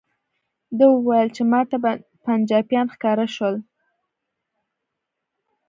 ده وویل چې ماته پنجابیان ښکاره شول.